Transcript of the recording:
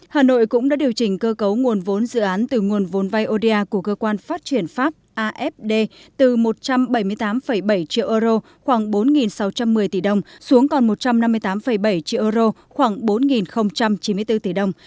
hà nội cũng đã điều chỉnh cơ cấu nguồn vốn dự án từ nguồn vốn vay oda của cơ quan phát triển pháp afd từ một trăm bảy mươi tám bảy triệu euro khoảng bốn sáu trăm một mươi tỷ đồng xuống còn một trăm năm mươi tám bảy triệu euro khoảng bốn chín mươi bốn tỷ đồng